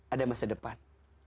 ada masa depan